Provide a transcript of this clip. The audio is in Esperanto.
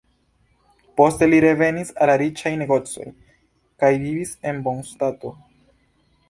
Poste li revenis al la riĉaj negocoj kaj vivis en bonstato.